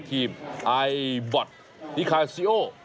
ทีมไอบอทนิคาซิโอ